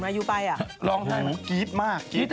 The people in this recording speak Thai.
มายูไปอ่ะลองทายมาก